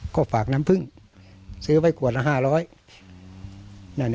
ก็ฝากน้ำพึ่งซื้อไว้ขวดละ๕๐๐